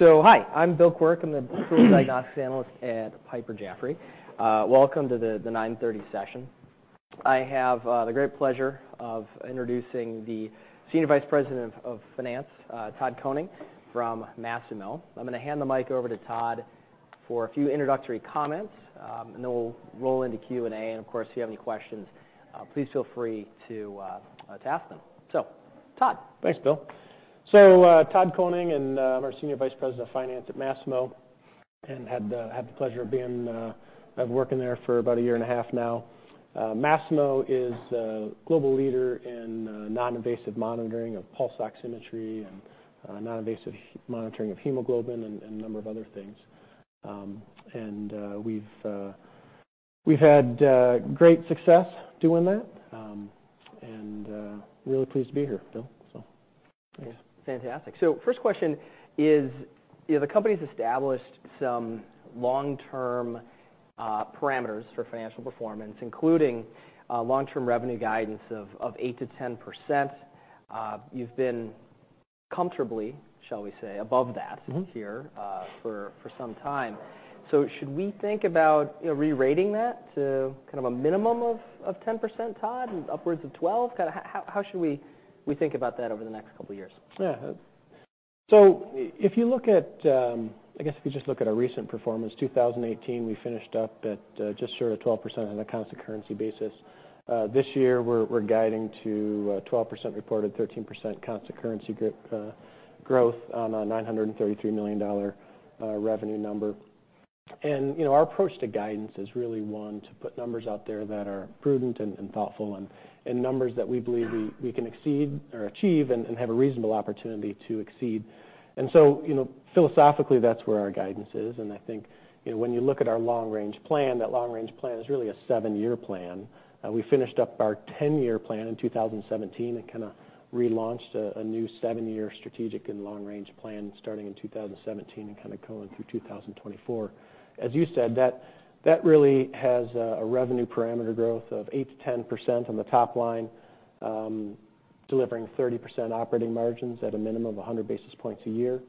Hi, I'm Bill Quirk. I'm the Senior Diagnostics Analyst at Piper Jaffray. Welcome to the 9:30 A.M. Session. I have the great pleasure of introducing the Senior Vice President of Finance, Todd Koning, from Masimo. I'm going to hand the mic over to Todd for a few introductory comments, and then we'll roll into Q&A. Of course, if you have any questions, please feel free to ask them. Todd. Thanks, Bill. So Todd Koning, and I'm our Senior Vice President of Finance at Masimo, and had the pleasure of working there for about a year and a half now. Masimo is a global leader in non-invasive monitoring of pulse oximetry and non-invasive monitoring of hemoglobin and a number of other things. We've had great success doing that, and really pleased to be here, Bill. Fantastic. So first question is, the company's established some long-term parameters for financial performance, including long-term revenue guidance of 8%-10%. You've been comfortably, shall we say, above that here for some time. So should we think about re-rating that to kind of a minimum of 10%, Todd, and upwards of 12%? How should we think about that over the next couple of years? Yeah. So if you look at, I guess if you just look at our recent performance, 2018, we finished up at just short of 12% on a constant currency basis. This year, we're guiding to 12% reported, 13% constant currency growth on a $933 million revenue number. And our approach to guidance is really one to put numbers out there that are prudent and thoughtful, and numbers that we believe we can exceed or achieve and have a reasonable opportunity to exceed. And so philosophically, that's where our guidance is. And I think when you look at our long-range plan, that long-range plan is really a seven-year plan. We finished up our 10-year plan in 2017 and kind of relaunched a new seven-year strategic and long-range plan starting in 2017 and kind of going through 2024. As you said, that really has a revenue parameter growth of 8%-10% on the top line, delivering 30% operating margins at a minimum of 100 basis points a year,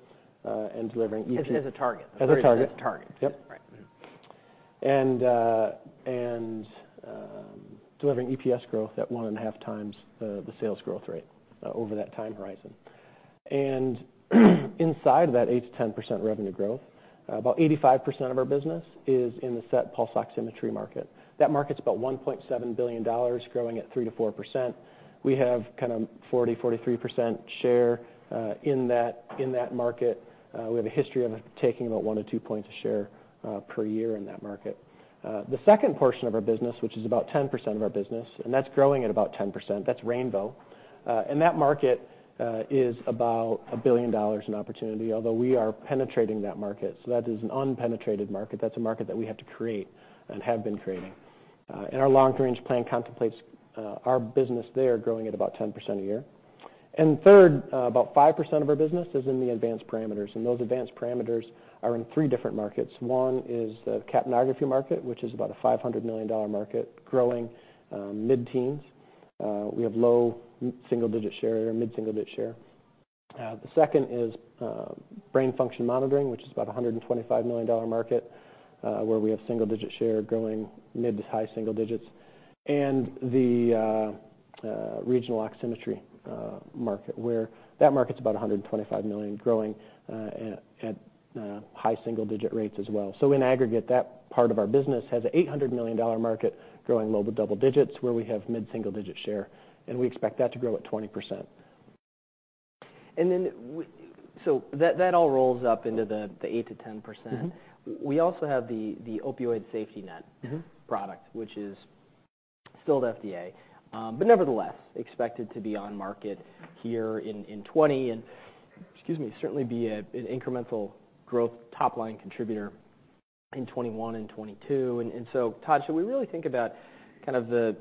and delivering EPS. As a target. As a target. As a target. Yep. Right. And delivering EPS growth at one and a half times the sales growth rate over that time horizon. And inside of that 8%-10% revenue growth, about 85% of our business is in the SET pulse oximetry market. That market's about $1.7 billion, growing at 3%-4%. We have kind of 40%-43% share in that market. We have a history of taking about one to two points of share per year in that market. The second portion of our business, which is about 10% of our business, and that's growing at about 10%, that's Rainbow. And that market is about $1 billion in opportunity, although we are penetrating that market. So that is an unpenetrated market. That's a market that we have to create and have been creating. And our long-range plan contemplates our business there growing at about 10% a year. Third, about 5% of our business is in the advanced parameters. Those advanced parameters are in three different markets. One is the capnography market, which is about a $500 million market, growing mid-teens. We have low single-digit share or mid-single-digit share. The second is brain function monitoring, which is about a $125 million market, where we have single-digit share growing mid to high single digits. The regional oximetry market, where that market's about $125 million, growing at high single-digit rates as well. In aggregate, that part of our business has an $800 million market growing low to double digits, where we have mid-single-digit share. We expect that to grow at 20%. And then so that all rolls up into the 8%-10%. We also have the Opioid Safety Net product, which is still at the FDA, but nevertheless expected to be on the market here in 2020. And excuse me, certainly be an incremental growth top-line contributor in 2021 and 2022. And so, Todd, should we really think about kind of the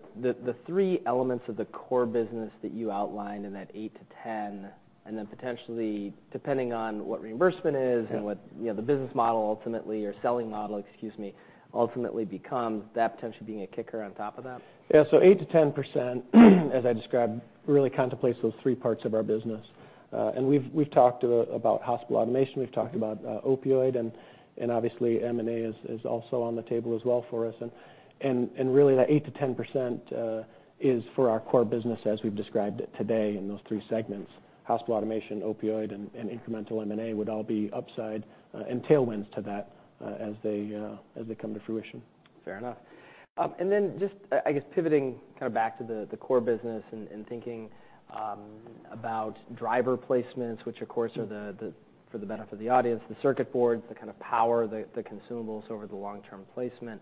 three elements of the core business that you outlined in that 8%-10%, and then potentially, depending on what reimbursement is and what the business model ultimately, or selling model, excuse me, ultimately becomes, that potentially being a kicker on top of that? Yeah. So 8%-10%, as I described, really contemplates those three parts of our business. And we've talked about Hospital Automation. We've talked about Opioid. And obviously, M&A is also on the table as well for us. And really, that 8%-10% is for our core business, as we've described it today, in those three segments: Hospital Automation, Opioid, and incremental M&A would all be upside and tailwinds to that as they come to fruition. Fair enough, and then just, I guess, pivoting kind of back to the core business and thinking about driver placements, which, of course, are for the benefit of the audience, the circuit boards, the kind of power, the consumables over the long-term placement.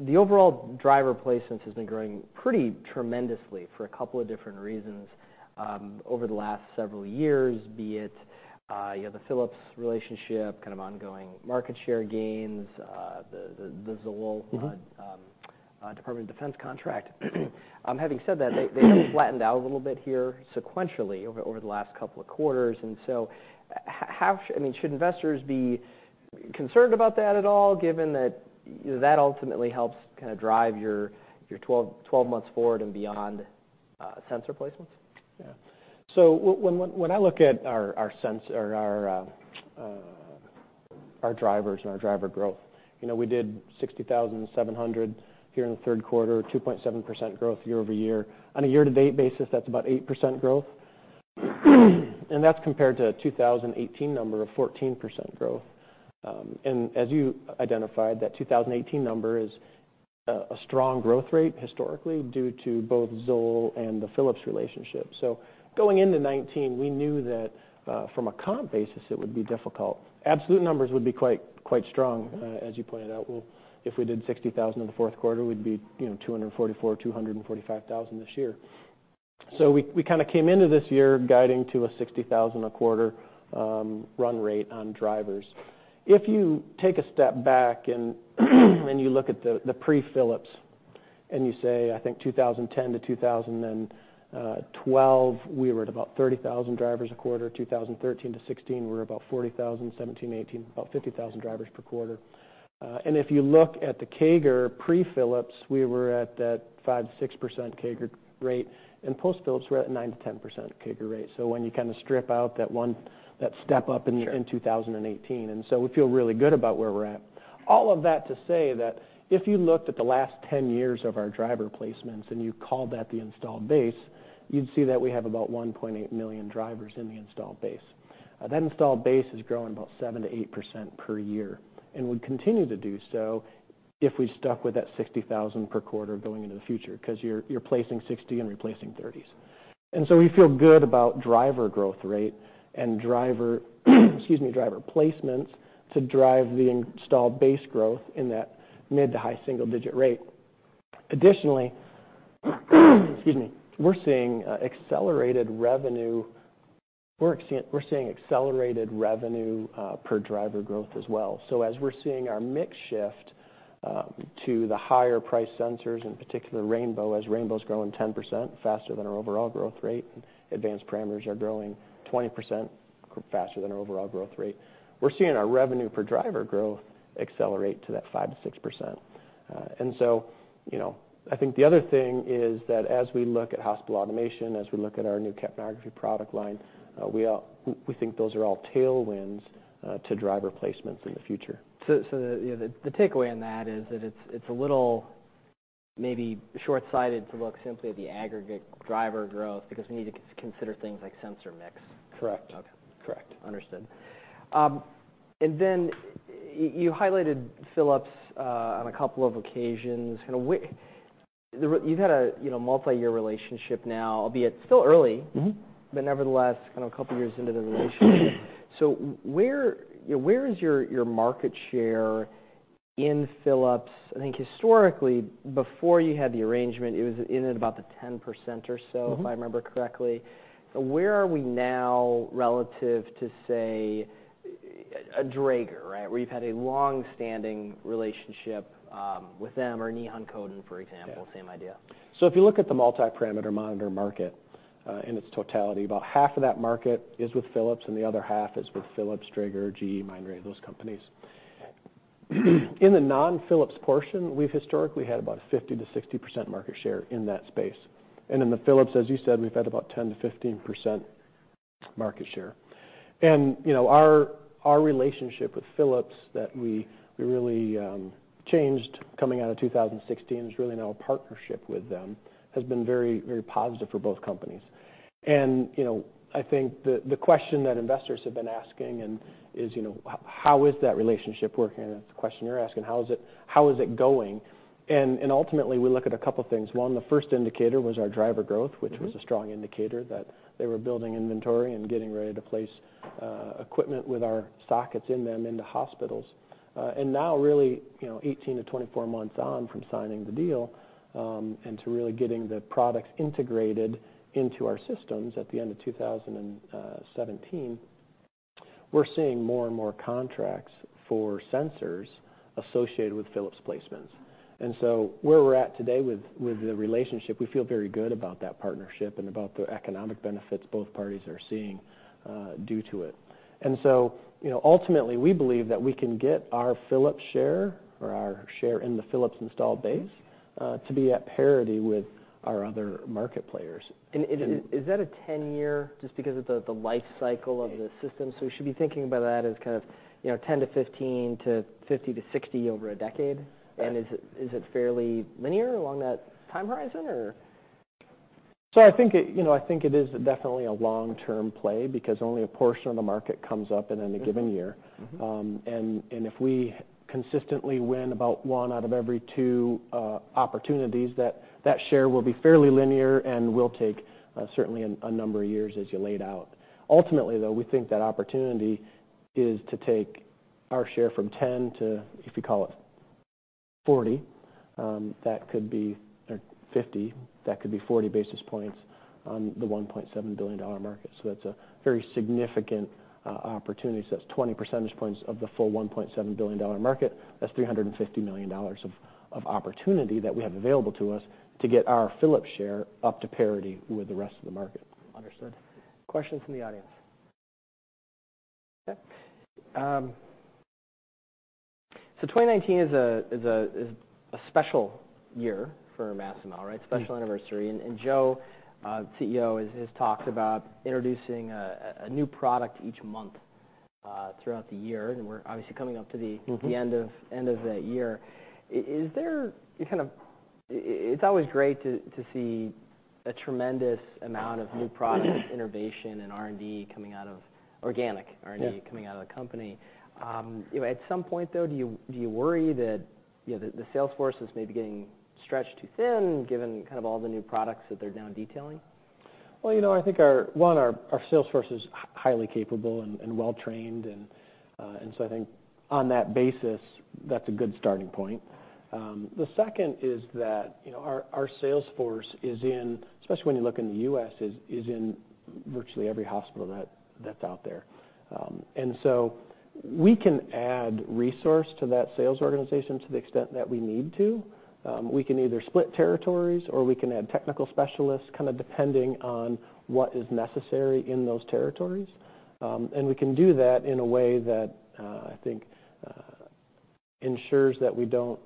The overall driver placements has been growing pretty tremendously for a couple of different reasons over the last several years, be it the Philips relationship, kind of ongoing market share gains, the Zoll Department of Defense contract. Having said that, they have flattened out a little bit here sequentially over the last couple of quarters. And so should investors be concerned about that at all, given that that ultimately helps kind of drive your 12 months forward and beyond sensor placements? Yeah. So when I look at our drivers and our driver growth, we did 60,700 here in the third quarter, 2.7% growth year over year. On a year-to-date basis, that's about 8% growth. And that's compared to a 2018 number of 14% growth. And as you identified, that 2018 number is a strong growth rate historically due to both Zoll and the Philips relationship. So going into 2019, we knew that from a comp basis, it would be difficult. Absolute numbers would be quite strong, as you pointed out. If we did 60,000 in the fourth quarter, we'd be 244,000, 245,000 this year. So we kind of came into this year guiding to a 60,000 a quarter run rate on drivers. If you take a step back and you look at the pre-Philips, and you say, I think 2010 to 2012, we were at about 30,000 drivers a quarter. 2013 to 2016, we were about 40,000. 2017 to 2018, about 50,000 drivers per quarter. And if you look at the CAGR pre-Philips, we were at that 5%-6% CAGR rate. And post-Philips, we're at 9%-10% CAGR rate. So when you kind of strip out that step up in 2018, and so we feel really good about where we're at. All of that to say that if you looked at the last 10 years of our driver placements and you called that the installed base, you'd see that we have about 1.8 million drivers in the installed base. That installed base is growing about 7%-8% per year and would continue to do so if we stuck with that 60,000 per quarter going into the future, because you're placing 60 and replacing 30s. And so we feel good about Driver growth rate and Driver placements to drive the Installed base growth in that mid- to high-single-digit rate. Additionally, excuse me, we're seeing accelerated revenue. We're seeing accelerated revenue per Driver growth as well. So as we're seeing our mix shift to the higher price sensors, in particular, Rainbow, as Rainbow's growing 10% faster than our overall growth rate, and advanced parameters are growing 20% faster than our overall growth rate, we're seeing our revenue per Driver growth accelerate to that 5%-6%. And so I think the other thing is that as we look at Hospital Automation, as we look at our new capnography product line, we think those are all tailwinds to Driver placements in the future. So the takeaway on that is that it's a little maybe shortsighted to look simply at the aggregate driver growth because we need to consider things like sensor mix. Correct. Correct. Understood. And then you highlighted Philips on a couple of occasions. You've had a multi-year relationship now, albeit still early, but nevertheless kind of a couple of years into the relationship. So where is your market share in Philips? I think historically, before you had the arrangement, it was in at about the 10% or so, if I remember correctly. Where are we now relative to, say, a Dräger, right, where you've had a long-standing relationship with them or Nihon Kohden, for example, same idea? So if you look at the multi-parameter monitor market in its totality, about half of that market is with Philips, and the other half is with Philips, Dräger, GE, Mindray, those companies. In the non-Philips portion, we've historically had about 50%-60% market share in that space. And in the Philips, as you said, we've had about 10%-15% market share. And our relationship with Philips that we really changed coming out of 2016 is really now a partnership with them has been very, very positive for both companies. And I think the question that investors have been asking is, how is that relationship working? And that's the question you're asking. How is it going? And ultimately, we look at a couple of things. One, the first indicator was our driver growth, which was a strong indicator that they were building inventory and getting ready to place equipment with our sockets in them into hospitals. And now really 18-24 months on from signing the deal and to really getting the products integrated into our systems at the end of 2017, we're seeing more and more contracts for sensors associated with Philips placements. And so where we're at today with the relationship, we feel very good about that partnership and about the economic benefits both parties are seeing due to it. And so ultimately, we believe that we can get our Philips share or our share in the Philips installed base to be at parity with our other market players. Is that a 10-year just because of the life cycle of the system? We should be thinking about that as kind of 10%-15% to 50%-60% over a decade. Is it fairly linear along that time horizon, or? I think it is definitely a long-term play because only a portion of the market comes up in any given year. And if we consistently win about one out of every two opportunities, that share will be fairly linear and will take certainly a number of years as you laid out. Ultimately, though, we think that opportunity is to take our share from 10% to, if you call it 40%, that could be 50%, that could be 40 basis points on the $1.7 billion market. So that's a very significant opportunity. So that's 20 percentage points of the full $1.7 billion market. That's $350 million of opportunity that we have available to us to get our Philips share up to parity with the rest of the market. Understood. Questions from the audience? Okay, so 2019 is a special year for Masimo, right, special anniversary. And Joe, CEO, has talked about introducing a new product each month throughout the year. And we're obviously coming up to the end of that year. Is there kind of? It's always great to see a tremendous amount of new product innovation and organic R&D coming out of the company. At some point, though, do you worry that the sales force is maybe getting stretched too thin given kind of all the new products that they're now detailing? I think, one, our sales force is highly capable and well-trained. And so I think on that basis, that's a good starting point. The second is that our sales force, especially when you look in the U.S., is in virtually every hospital that's out there. And so we can add resource to that sales organization to the extent that we need to. We can either split territories or we can add technical specialists kind of depending on what is necessary in those territories. And we can do that in a way that I think ensures that we don't,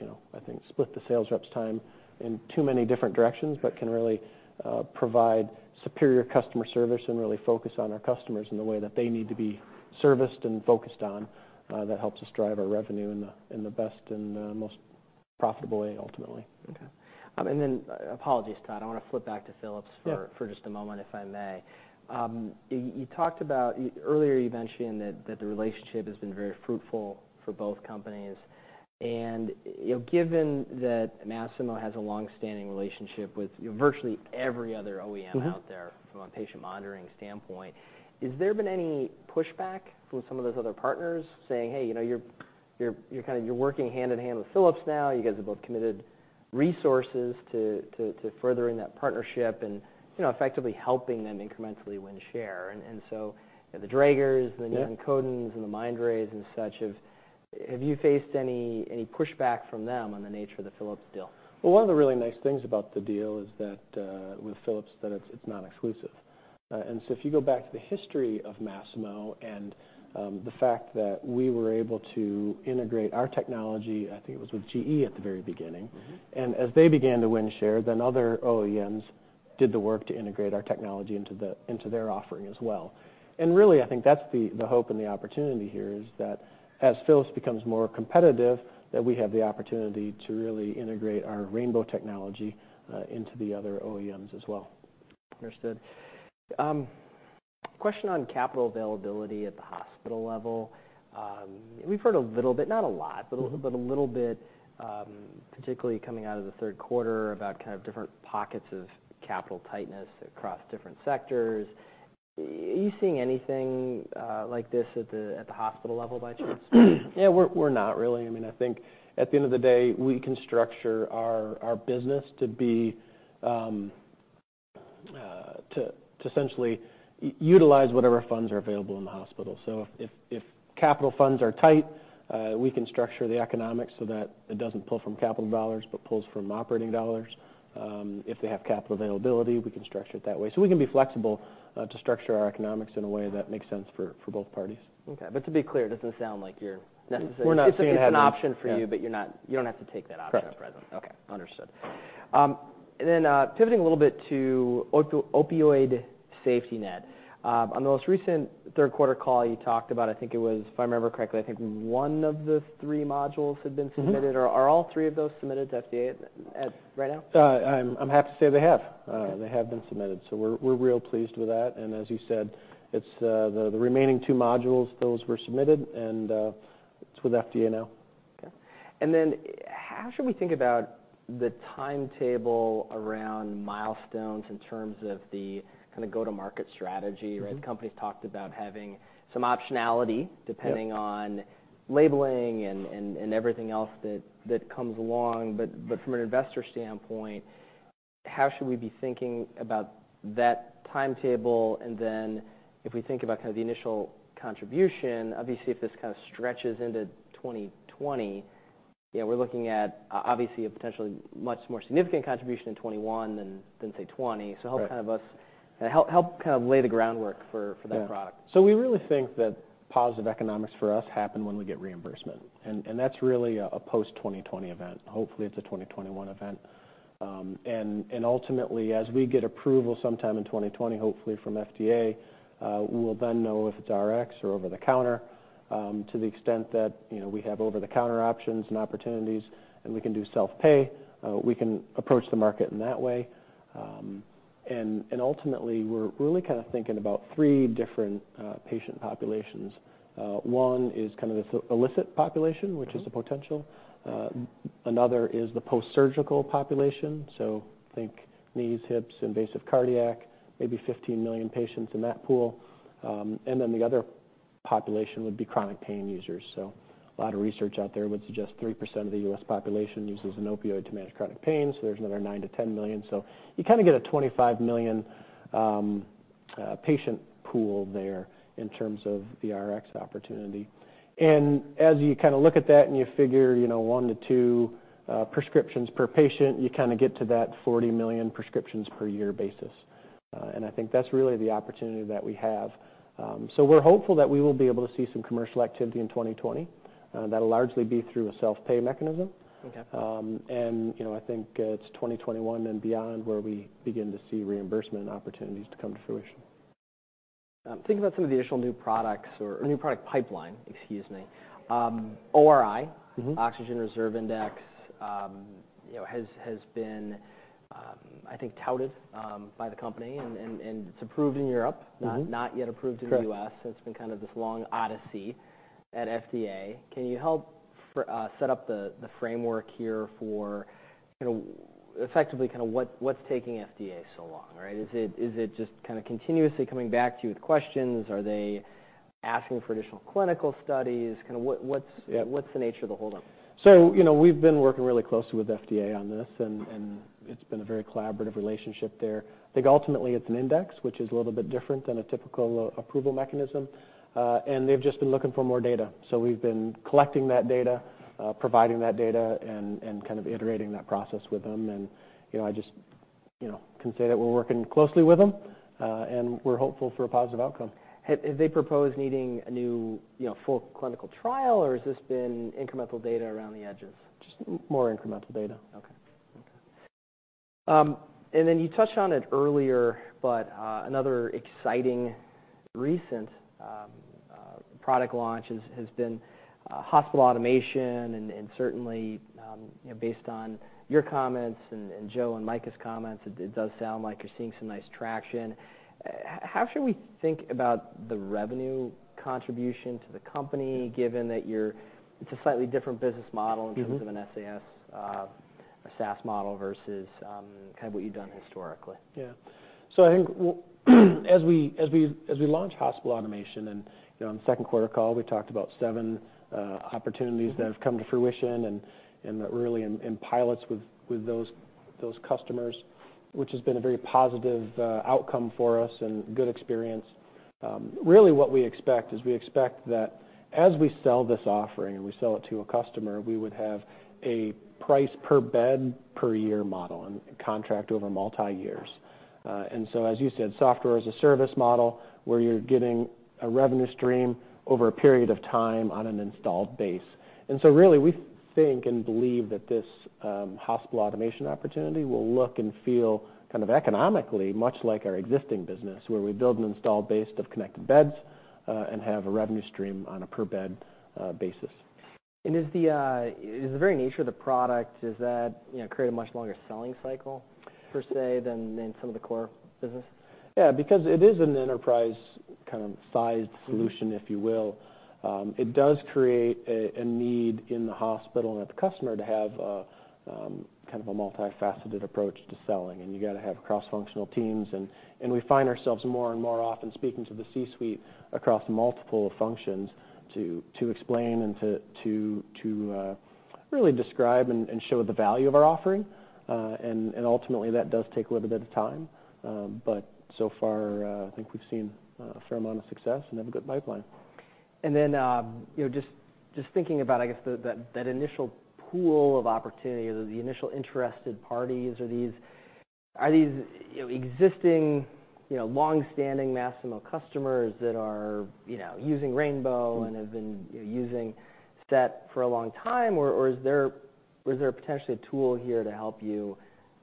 I think, split the sales rep's time in too many different directions, but can really provide superior customer service and really focus on our customers in the way that they need to be serviced and focused on. That helps us drive our revenue in the best and most profitable way, ultimately. Okay. And then apologies, Todd. I want to flip back to Philips for just a moment, if I may. You talked about earlier, you mentioned that the relationship has been very fruitful for both companies. And given that Masimo has a long-standing relationship with virtually every other OEM out there from a patient monitoring standpoint, has there been any pushback from some of those other partners saying, "Hey, you're kind of working hand in hand with Philips now. You guys have both committed resources to furthering that partnership and effectively helping them incrementally win share"? And so the Drägers and the Nihon Kohdens and the Mindrays and such, have you faced any pushback from them on the nature of the Philips deal? One of the really nice things about the deal with Philips is that it's non-exclusive. And so if you go back to the history of Masimo and the fact that we were able to integrate our technology, I think it was with GE at the very beginning. And as they began to win share, then other OEMs did the work to integrate our technology into their offering as well. And really, I think that's the hope and the opportunity here is that as Philips becomes more competitive, that we have the opportunity to really integrate our rainbow technology into the other OEMs as well. Understood. Question on capital availability at the hospital level. We've heard a little bit, not a lot, but a little bit, particularly coming out of the third quarter about kind of different pockets of capital tightness across different sectors. Are you seeing anything like this at the hospital level, by chance? Yeah, we're not really. I mean, I think at the end of the day, we can structure our business to essentially utilize whatever funds are available in the hospital. So if capital funds are tight, we can structure the economics so that it doesn't pull from capital dollars but pulls from operating dollars. If they have capital availability, we can structure it that way. So we can be flexible to structure our economics in a way that makes sense for both parties. Okay, but to be clear, it doesn't sound like you're necessarily seeing an option for you, but you don't have to take that option at present. Correct. Okay. Understood. And then pivoting a little bit to Opioid Safety Net. On the most recent third quarter call, you talked about, I think it was, if I remember correctly, I think one of the three modules had been submitted. Are all three of those submitted to FDA right now? I'm happy to say they have. They have been submitted. So we're real pleased with that. And as you said, the remaining two modules, those were submitted, and it's with FDA now. Okay. And then how should we think about the timetable around milestones in terms of the kind of go-to-market strategy, right? The companies talked about having some optionality depending on labeling and everything else that comes along. But from an investor standpoint, how should we be thinking about that timetable? And then if we think about kind of the initial contribution, obviously if this kind of stretches into 2020, we're looking at obviously a potentially much more significant contribution in 2021 than, say, 2020. So help us kind of lay the groundwork for that product. So we really think that positive economics for us happen when we get reimbursement. And that's really a post-2020 event. Hopefully, it's a 2021 event. And ultimately, as we get approval sometime in 2020, hopefully from FDA, we'll then know if it's Rx or over-the-counter. To the extent that we have over-the-counter options and opportunities and we can do self-pay, we can approach the market in that way. And ultimately, we're really kind of thinking about three different patient populations. One is kind of this illicit population, which is the potential. Another is the post-surgical population. So think knees, hips, invasive cardiac, maybe 15 million patients in that pool. And then the other population would be chronic pain users. So a lot of research out there would suggest 3% of the U.S. population uses an opioid to manage chronic pain. So there's another 9 million-10 million. So you kind of get a 25 million patient pool there in terms of the Rx opportunity. And as you kind of look at that and you figure one to two prescriptions per patient, you kind of get to that 40 million prescriptions per year basis. And I think that's really the opportunity that we have. So we're hopeful that we will be able to see some commercial activity in 2020. That'll largely be through a self-pay mechanism. And I think it's 2021 and beyond where we begin to see reimbursement opportunities to come to fruition. Think about some of the additional new products or new product pipeline, excuse me. ORI, Oxygen Reserve Index, has been, I think, touted by the company and it's approved in Europe, not yet approved in the U.S. It's been kind of this long odyssey at FDA. Can you help set up the framework here for effectively kind of what's taking FDA so long, right? Is it just kind of continuously coming back to you with questions? Are they asking for additional clinical studies? Kind of what's the nature of the whole thing? So we've been working really closely with FDA on this, and it's been a very collaborative relationship there. I think ultimately it's an index, which is a little bit different than a typical approval mechanism. And they've just been looking for more data. So we've been collecting that data, providing that data, and kind of iterating that process with them. And I just can say that we're working closely with them, and we're hopeful for a positive outcome. Have they proposed needing a new full clinical trial, or has this been incremental data around the edges? Just more incremental data. Okay. Okay. And then you touched on it earlier, but another exciting recent product launch has been Hospital Automation. And certainly, based on your comments and Joe and Micah's comments, it does sound like you're seeing some nice traction. How should we think about the revenue contribution to the company, given that it's a slightly different business model in terms of a SaaS model versus kind of what you've done historically? Yeah. So I think as we launched hospital automation and on the second quarter call, we talked about seven opportunities that have come to fruition and really in pilots with those customers, which has been a very positive outcome for us and good experience. Really what we expect is we expect that as we sell this offering and we sell it to a customer, we would have a price per bed per year model and contract over multi-years. And so as you said, software as a service model where you're getting a revenue stream over a period of time on an installed base. And so really we think and believe that this hospital automation opportunity will look and feel kind of economically much like our existing business where we build an installed base of connected beds and have a revenue stream on a per bed basis. Is the very nature of the product, does that create a much longer selling cycle per se than some of the core business? Yeah, because it is an enterprise kind of sized solution, if you will. It does create a need in the hospital and at the customer to have kind of a multifaceted approach to selling. And you got to have cross-functional teams. And we find ourselves more and more often speaking to the C-suite across multiple functions to explain and to really describe and show the value of our offering. And ultimately, that does take a little bit of time. But so far, I think we've seen a fair amount of success and have a good pipeline. Then just thinking about, I guess, that initial pool of opportunity or the initial interested parties, are these existing long-standing Masimo customers that are using Rainbow and have been using SET for a long time, or is there potentially a tool here to help you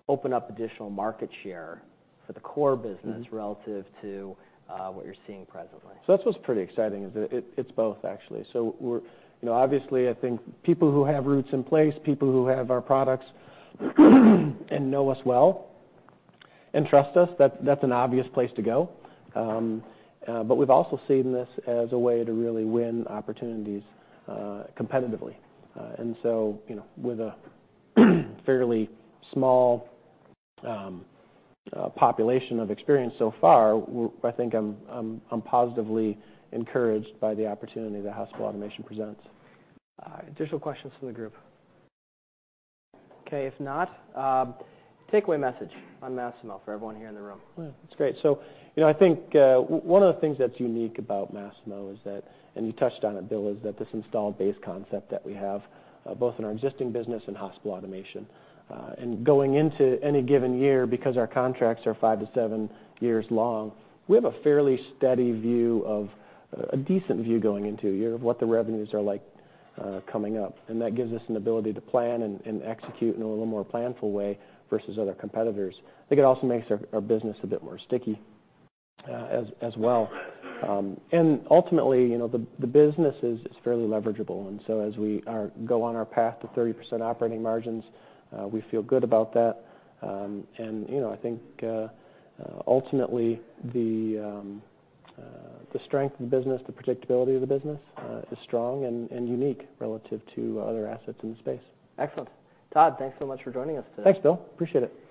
open up additional market share for the core business relative to what you're seeing presently? So that's what's pretty exciting is that it's both, actually. So obviously, I think people who have roots in place, people who have our products and know us well and trust us, that's an obvious place to go. But we've also seen this as a way to really win opportunities competitively. And so with a fairly small population of experience so far, I think I'm positively encouraged by the opportunity that Hospital Automation presents. All right. Additional questions for the group? Okay. If not, takeaway message on Masimo for everyone here in the room. That's great. I think one of the things that's unique about Masimo is that, and you touched on it, Bill, is that this installed base concept that we have both in our existing business and hospital automation. Going into any given year, because our contracts are five to seven years long, we have a fairly steady view of a decent view going into a year of what the revenues are like coming up. That gives us an ability to plan and execute in a little more planful way versus other competitors. I think it also makes our business a bit more sticky as well. Ultimately, the business is fairly leverageable. As we go on our path to 30% operating margins, we feel good about that. I think ultimately the strength of the business, the predictability of the business is strong and unique relative to other assets in the space. Excellent. Todd, thanks so much for joining us today. Thanks, Bill. Appreciate it.